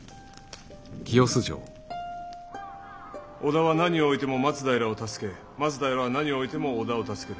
織田は何をおいても松平を助け松平は何をおいても織田を助ける。